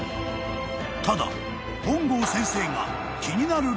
［ただ本郷先生が］